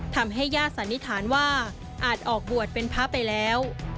ทำให้ญาติสันนิษฐานว่าอาจออกบวชเป็นพระไปแล้ว